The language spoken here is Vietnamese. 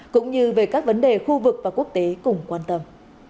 cũng như về các vấn đề khu vực và quốc tế cùng quan tâm